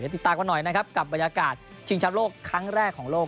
แล้วติดตามมาหน่อยกับบรรยากาศชิงชัพโลกครั้งแรกของโลก